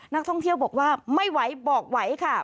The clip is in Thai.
นักท่องเที่ยวบอกว่าไม่ไหวบอกไหวค่ะ